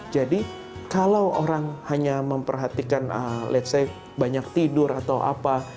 jadi kalau orang hanya memperhatikan let's say banyak tidur atau apa